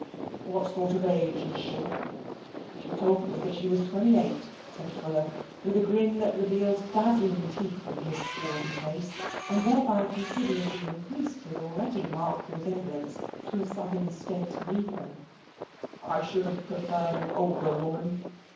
What sort of age is she? " She told me she was twenty eight," said Fuller, with a grin that revealed dazzling teeth in his swarthy face, and thereby considerably increased his already marked resemblance to a Southern State negro. I should have preferred an older woman."